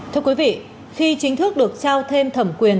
thưa quý vị khi chính thức được trao thêm thẩm quyền